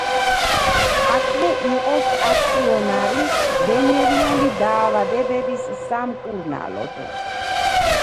აქვე იყო სტაციონარი ვენერიული დაავადებების სამკურნალოდ.